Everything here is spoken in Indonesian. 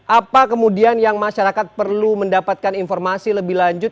apa kemudian yang masyarakat perlu mendapatkan informasi lebih lanjut